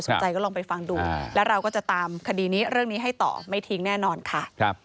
ใจก็ลองไปฟังดูแล้วเราก็จะตามคดีนี้เรื่องนี้ให้ต่อไม่ทิ้งแน่นอนค่ะ